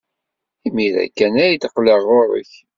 Imir-a kan ad d-qqleɣ ɣer-k.